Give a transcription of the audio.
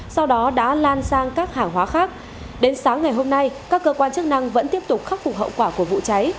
sau đó đã lan sang các hàng hóa khác đến sáng ngày hôm nay các cơ quan chức năng vẫn tiếp tục khắc phục hậu quả của vụ cháy